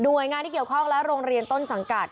โดยงานที่เกี่ยวข้องและโรงเรียนต้นสังกัด